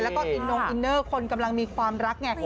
แล้วก็อินเนิ่อคนกำลังมีความรักไง